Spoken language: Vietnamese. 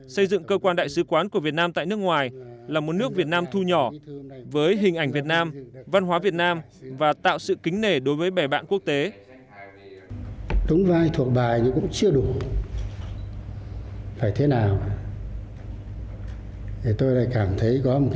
xây dựng cơ quan đại sứ quán của việt nam tại nước ngoài là một nước việt nam thu nhỏ với hình ảnh việt nam văn hóa việt nam và tạo sự kính nể đối với bè bạn quốc tế